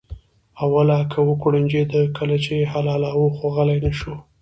اوله کې وکوړنجېده کله چې یې حلالاوه خو غلی نه شو.